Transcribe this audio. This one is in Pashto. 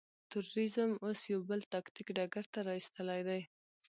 تروريزم اوس يو بل تاکتيک ډګر ته را اېستلی دی.